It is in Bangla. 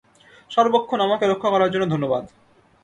সর্বক্ষণ আমাকে রক্ষা করার জন্য ধন্যবাদ।